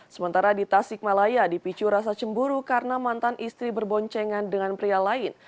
sementara di tasik malaya di picu rasa cemburu karena mantan istri berboncengan dengan pria lain